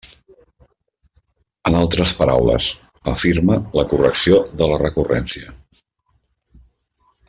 En altres paraules, afirma la correcció de la recurrència.